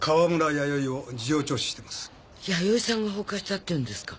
弥生さんが放火したっていうんですか？